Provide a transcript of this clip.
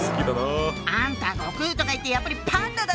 あんた悟空とかいってやっぱりパンダだったのね！